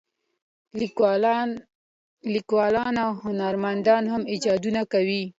لیکوالان او هنرمندان هم ایجادونه کوي.